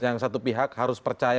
yang satu pihak harus percaya